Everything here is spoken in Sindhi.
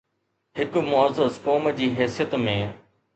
هڪ معزز قوم جي حيثيت ۾